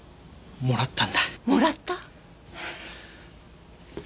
もらった？